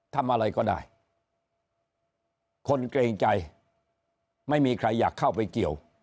ทำอะไรก็ได้คนเกรงใจไม่มีใครอยากเข้าไปเกี่ยว